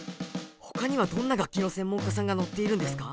他にはどんな楽器の専門家さんが乗っているんですか？